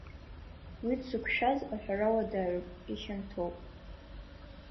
Уи дзықәшәаз аҳәара уадаҩуп, ихьанҭоуп.